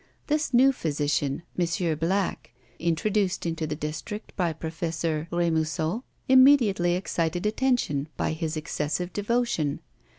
This new physician, M. Black, introduced into the district by Professor Remusot immediately excited attention by his excessive devotion.